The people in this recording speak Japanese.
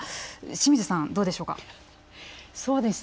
清水さん、どうでしょうか？